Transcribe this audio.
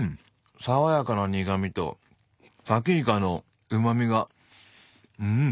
爽やかな苦味とさきイカのうまみがうん！